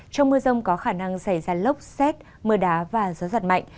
trong mưa rông có khả năng xảy ra lốc xét mưa đá và gió giật mạnh